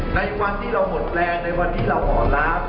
ในวันที่เราหมดแรงในวันที่เราห่อล้าง